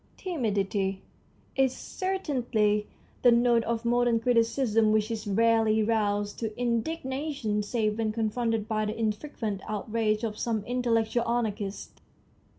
Timidity is certainly the note of modern criticism, which is rarely roused to indignation save when confronted by the infrequent out rage of some intellectual anarchist.